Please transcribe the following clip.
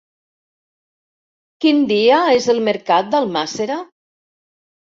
Quin dia és el mercat d'Almàssera?